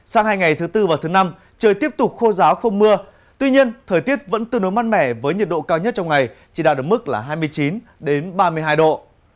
sang hai ngày thứ tư và thứ năm trời tiếp tục khô giáo không mưa tuy nhiên thời tiết vẫn tương đối mát mẻ với nhiệt độ cao nhất trong ngày chỉ đạt được mức là hai mươi chín ba mươi hai độ